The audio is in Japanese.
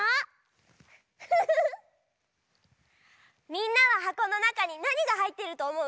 みんなははこのなかになにがはいってるとおもう？